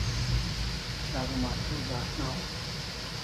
Sharu mastruk drashnaw